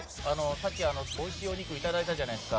さっき、おいしいお肉いただいたじゃないですか。